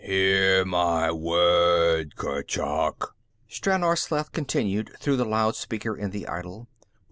"Hear my word, Kurchuk," Stranor Sleth continued through the loud speaker in the idol.